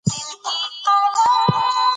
کله چې معلم وحيده جانه راغله